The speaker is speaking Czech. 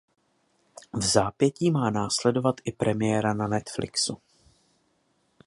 Vzápětí má následovat i premiéra na Netflixu.